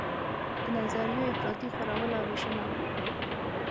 د نظریو افراطي خورول او ویشنه وه.